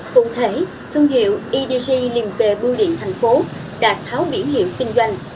cụ thể thương hiệu edg liên kề bưu điện tp hcm đạt tháo biển hiệu kinh doanh